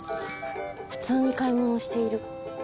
普通に買い物をしている。